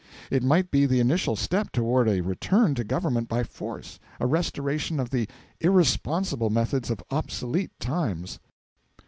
It might be the initial step toward a return to government by force, a restoration of the irresponsible methods of obsolete times.